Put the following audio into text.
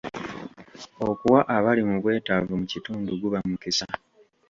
Okuwa abali mu bwetaavu mu kitundu guba mukisa.